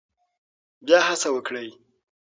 بیا هڅه وکړئ.